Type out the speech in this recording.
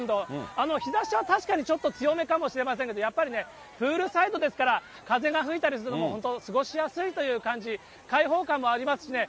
あの日ざしは確かにちょっと強めかもしれませんけれども、やっぱりね、プールサイドですから、風が吹いたりすると本当、過ごしやすいという感じ、開放感もありますしね、